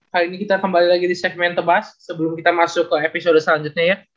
hari ini kita kembali lagi di segmen tebas sebelum kita masuk ke episode selanjutnya ya